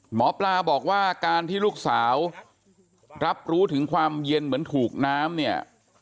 หมอปลาบอกว่าการที่ลูกสาวรับรู้ถึงความเย็นเหมือนถูกน้ำเนี่ย